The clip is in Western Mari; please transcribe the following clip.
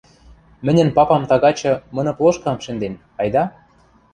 — Мӹньӹн папам тагачы мыны плошкам шӹнден — айда.